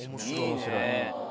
面白い。